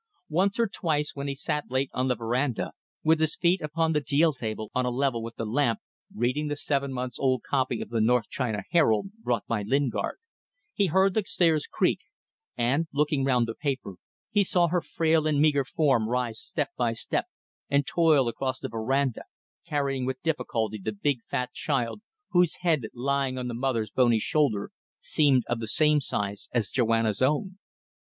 Once or twice when he sat late on the verandah, with his feet upon the deal table on a level with the lamp, reading the seven months' old copy of the North China Herald, brought by Lingard, he heard the stairs creak, and, looking round the paper, he saw her frail and meagre form rise step by step and toil across the verandah, carrying with difficulty the big, fat child, whose head, lying on the mother's bony shoulder, seemed of the same size as Joanna's own.